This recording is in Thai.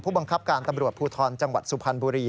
บังคับการตำรวจภูทรจังหวัดสุพรรณบุรี